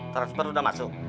transfer udah masuk